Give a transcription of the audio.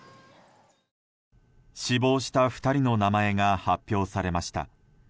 死亡した２人の名前が発表されました。